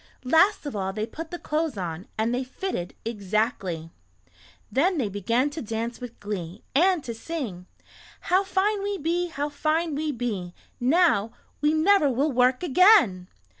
Last of all they put the clothes on, and they fitted exactly. Then they began to dance with glee, and to sing: "How fine we be, how fine we be! Now we never will work again!"